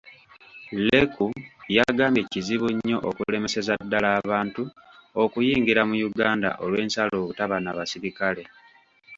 Leku, yagambye kizibu nnyo okulemeseza ddala abantu okuyingira mu Uganda olw'ensalo obutaba na basirikale.